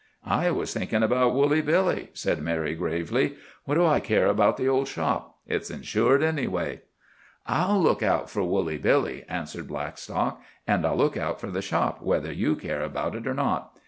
"I was thinking about Woolly Billy," said Mary gravely. "What do I care about the old shop? It's insured, anyway." "I'll look out for Woolly Billy," answered Blackstock. "And I'll look out for the shop, whether you care about it or not.